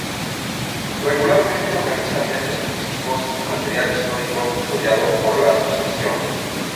Regularmente organiza viajes turísticos en material histórico custodiado por la asociación.